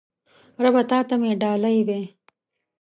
ربه تاته مې ډالۍ وی